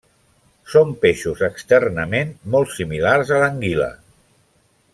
Són peixos externament molt similars a l'anguila.